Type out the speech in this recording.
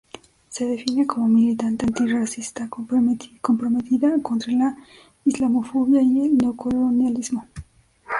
Se define como militante antirracista comprometida contra la islamofobia y el neocolonialismo.